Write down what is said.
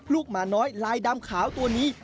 หมาน้อยลายดำขาวตัวนี้